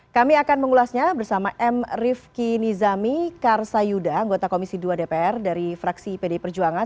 kami akan mengulasnya bersama m rifki nizami karsayuda anggota komisi dua dpr dari fraksi pd perjuangan